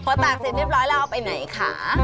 พอตากเสร็จเรียบร้อยแล้วเอาไปไหนคะ